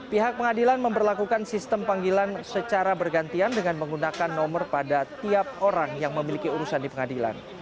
pihak pengadilan memperlakukan sistem panggilan secara bergantian dengan menggunakan nomor pada tiap orang yang memiliki urusan di pengadilan